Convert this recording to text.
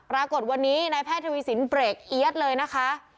ปรากฏวันนี้นายแพทย์ทวีสินเบรกเอี๊ยดเลยนะคะ